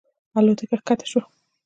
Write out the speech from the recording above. الوتکه ښکته شوه.